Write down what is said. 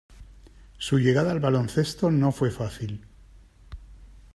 Su llegada al baloncesto no fue fácil.